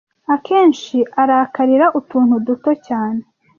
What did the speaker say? Akenshi arakarira utuntu duto cyane.